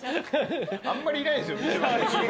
あんまりいないですよ。